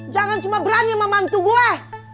jangan cuma berani sama mantu gue